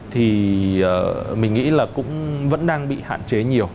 thì mình nghĩ là cũng vẫn đang bị hạn chế nhiều